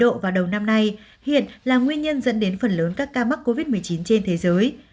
ấn độ vào đầu năm nay hiện là nguyên nhân dẫn đến phần lớn các ca mắc covid một mươi chín trên thế giới